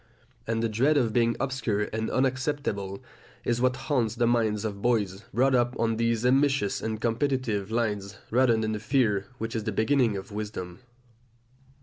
And the dread of being obscure and unacceptable is what haunts the minds of boys brought up on these ambitious and competitive lines, rather than the fear which is the beginning of wisdom.